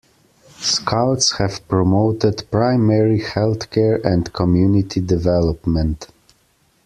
Scouts have promoted primary health care and community development.